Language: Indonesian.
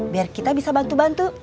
biar kita bisa bantu bantu